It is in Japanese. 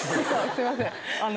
すみません。